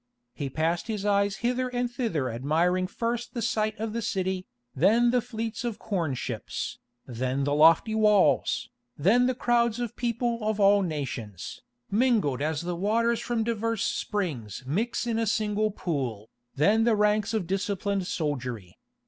He passed his eyes hither and thither admiring first the site of the city, then the fleets of corn ships, then the lofty walls, then the crowds of people of all nations, mingled as the waters from divers springs mix in a single pool, then the ranks of disciplined soldiery.